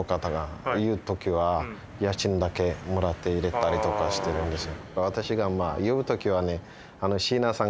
もらって入れたりとかしてるんですよ。